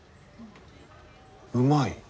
うまい。